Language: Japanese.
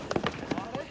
あれ？